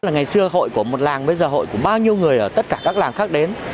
ngày xưa hội của một làng bây giờ hội của bao nhiêu người ở tất cả các làng khác đến